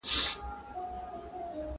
له ارغنده ساندي پورته د هلمند جنازه اخلي!